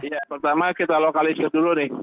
ya pertama kita lokalisir dulu nih